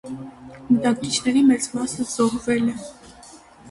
Բնակիչների մեծ մասը զոհվել է։